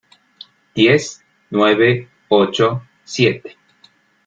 Diez, nueve , ocho , siete...